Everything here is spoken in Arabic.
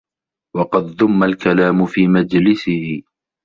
وَقَدْ ذُمَّ الْكَلَامُ فِي مَجْلِسِهِ